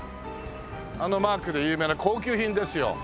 あのマークで有名な高級品ですよ。